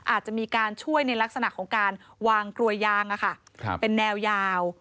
อาจจะมีการช่วยในลักษณะของการวางกลวยยางเป็นแนวยาว